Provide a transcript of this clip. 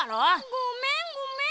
ごめんごめん。